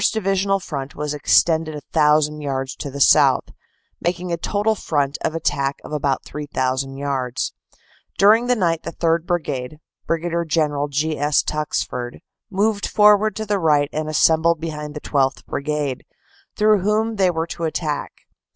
Divisional front was extended a thousand yards to the south, making a total front of attack of about 3,000 yards. During the night the 3rd. Brigade, Brig. General G. S. Tuxford, moved forward to the right and assembled behind the 12th. Brigade, through whom they were to attack.